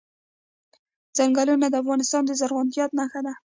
ځنګلونه د افغانستان د زرغونتیا نښه ده.